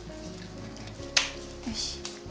よし。